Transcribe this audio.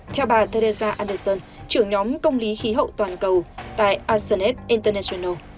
theo bà teresa anderson trưởng nhóm công lý khí hậu toàn cầu tại asenet international